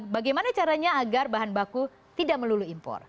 bagaimana caranya agar bahan baku tidak melulu impor